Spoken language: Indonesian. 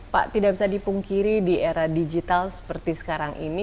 pak tidak bisa dipungkiri di era digital seperti sekarang ini